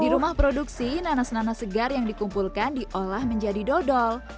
di rumah produksi nanas nanas segar yang dikumpulkan diolah menjadi dodol